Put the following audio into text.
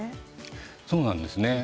そうなんです。